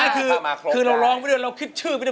คือเราร้องไม่ได้เราคิดชื่อไม่ได้